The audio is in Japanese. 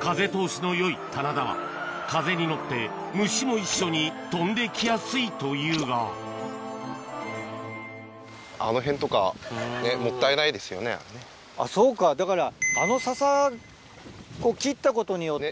風通しのよい棚田は風に乗って虫も一緒に飛んできやすいというがあっそうかだから。